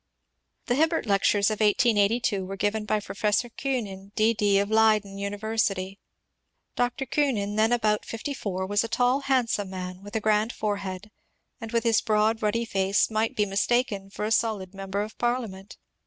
The Hibbert Lectures of 1882 were given by Professor Kuenen D. D. of Leyden University. Dr. Kuenen, then about fifty four, was a tall, handsome man with a grand forehead, and with his broad, ruddy face might be mistaken for a solid member of Parliament.